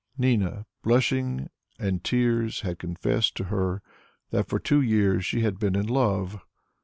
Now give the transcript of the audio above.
Nina, with blushing and tears, had confessed to her that for two years she had been in love.